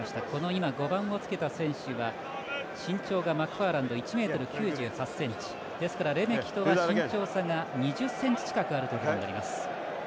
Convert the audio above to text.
今５番をつけた選手は身長が１ｍ９８ｃｍ。ですからレメキとは身長差が２０ｃｍ近くあるということになります。